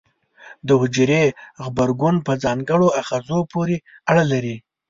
د حجرې غبرګون په ځانګړو آخذو پورې اړه لري.